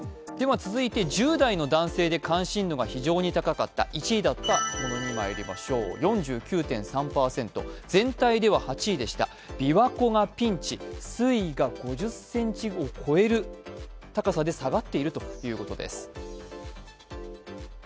続いて１０代の男性で関心度が非常に高かった１位だったのは、全体では８位でした琵琶湖がピンチ、推移が５０ｃｍを超える高さで下がっているということです。